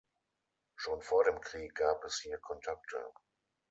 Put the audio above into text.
Schon vor dem Krieg gab es hier Kontakte.